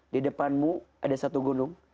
di depanmu ada satu gunung